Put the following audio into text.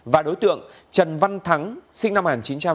và đối tượng trần văn thắng sinh năm một nghìn chín trăm chín mươi tám